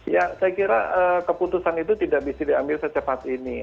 ya saya kira keputusan itu tidak bisa diambil secepat ini